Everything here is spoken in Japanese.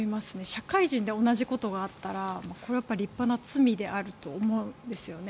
社会人で同じことがあったらこれは立派な罪であると思うんですよね。